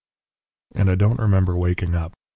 "And I don't remember waking up.